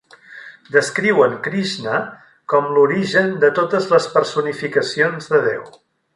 Descriuen Krishna com l'origen de totes les personificacions de Déu.